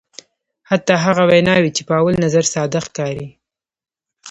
حتی هغه ویناوی چې په اول نظر ساده ښکاري.